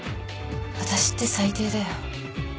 私って最低だよ。